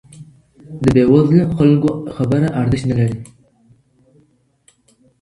د بې وزلو خلګو خبره ارزښت نه لري.